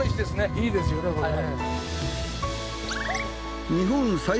いいですよねこれね。